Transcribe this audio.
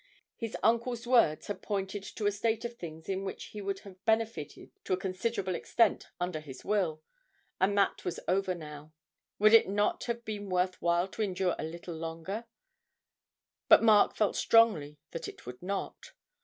His uncle's words had pointed to a state of things in which he would have benefited to a considerable extent under his will, and that was over now. Would it not have been worth while to endure a little longer but Mark felt strongly that it would not.